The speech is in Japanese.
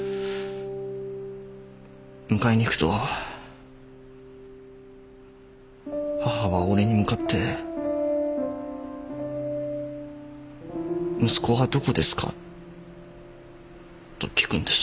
迎えに行くと母は俺に向かって「息子はどこですか？」と聞くんです。